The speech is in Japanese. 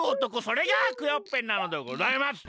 それがクヨッペンなのでございます。